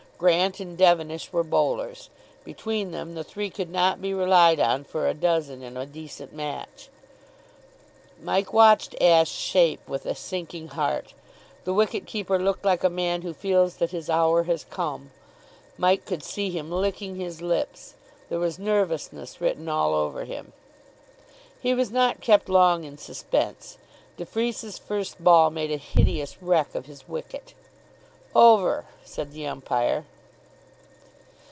Grant and Devenish were bowlers. Between them the three could not be relied on for a dozen in a decent match. Mike watched Ashe shape with a sinking heart. The wicket keeper looked like a man who feels that his hour has come. Mike could see him licking his lips. There was nervousness written all over him. He was not kept long in suspense. De Freece's first ball made a hideous wreck of his wicket. "Over," said the umpire.